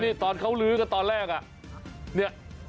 นี้ตอนเข้าลื้อกันตอนแรกอะ